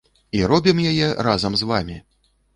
І робім яе разам з вамі!